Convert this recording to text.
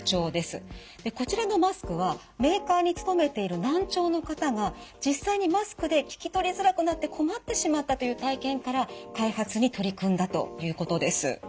でこちらのマスクはメーカーに勤めている難聴の方が実際にマスクで聞き取りづらくなって困ってしまったという体験から開発に取り組んだということです。